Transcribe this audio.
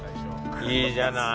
いいじゃない。